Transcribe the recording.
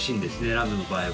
ラムの場合は。